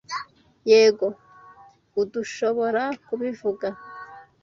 Yego, urdushoborakubivuga.